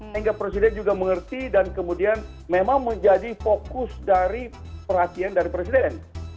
sehingga presiden juga mengerti dan kemudian memang menjadi fokus dari perhatian dari presiden